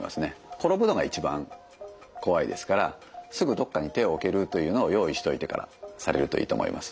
転ぶのが一番怖いですからすぐどっかに手を置けるというのを用意しておいてからされるといいと思います。